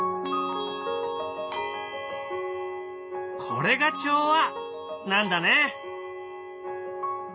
これが調和なんだね！